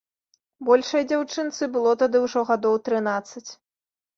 Большай дзяўчынцы было тады ўжо гадоў трынаццаць.